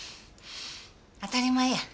当たり前や。